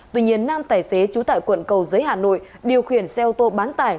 tuy nhiên năm tài xế chú tải quận cầu giới hà nội điều khiển xe ô tô bán tải